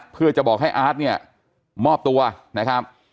เพื่อจะบอกให้อาร์ตเนี่ยมอบตัวนะครับ